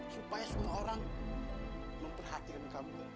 supaya semua orang memperhatikan kamu